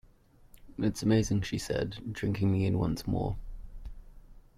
'It's amazing' she said, drinking me in once more.